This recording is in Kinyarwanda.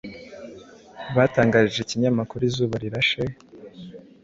batangarije ikinyamkuru Izuba Rirashe